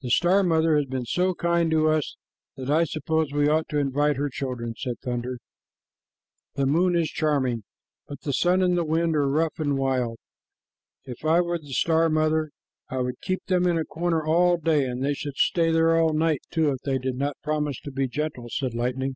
"The star mother has been so kind to us that I suppose we ought to invite her children," said Thunder. "The moon is charming, but the sun and the wind are rough and wild. If I were the star mother, I would keep them in a corner all day, and they should stay there all night, too, if they did not promise to be gentle," said Lightning.